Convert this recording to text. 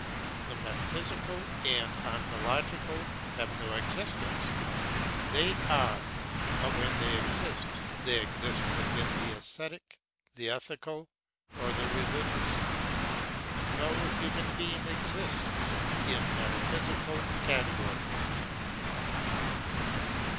The metaphysical and ontological have no existence; they are, but when they exist, they exist within the esthetic, the ethical, or the religious. No human being exists in metaphysical categories.